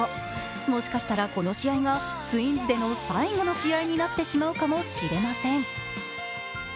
もしかしたら、この試合がツインズでの最後の試合になってしまうかもしれません。